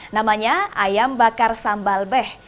namanya ayam bakar sambal beh